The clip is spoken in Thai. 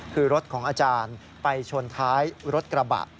คือรถของอาจารย์ไปชนท้ายรถกระบะ